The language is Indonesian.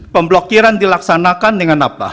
pemblokiran dilaksanakan dengan apa